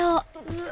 うわ！